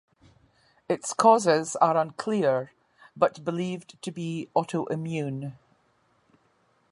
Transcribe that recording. Its causes are unclear, but believed to be autoimmune.